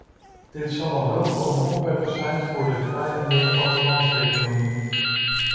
Dit zal een welkome oppepper zijn voor de kwijnende plattelandseconomie.